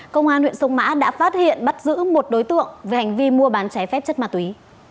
công an huyện sông mã đã phát hiện bắt giữ một đối tượng về hành vi mua bán trái phép chất ma túy